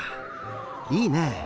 いいね。